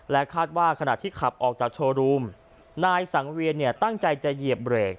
คาดว่าขณะที่ขับออกจากโชว์รูมนายสังเวียนเนี่ยตั้งใจจะเหยียบเบรก